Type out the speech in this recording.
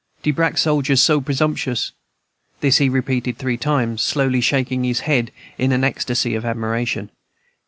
"De brack sojers so presumptious!" This he repeated three times, slowly shaking his head in an ecstasy of admiration.